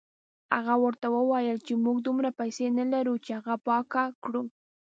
هغه ورته وویل چې موږ دومره پیسې نه لرو چې هغه پاکه کړو.